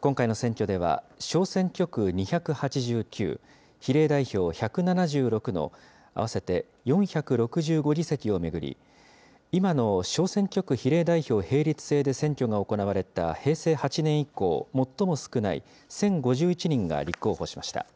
今回の選挙では、小選挙区２８９、比例代表１７６の合わせて４６５議席を巡り、今の小選挙区比例代表並立制で選挙が行われた平成８年以降、最も少ない１０５１人が立候補しました。